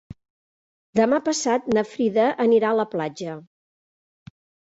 Demà passat na Frida anirà a la platja.